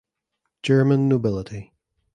German nobility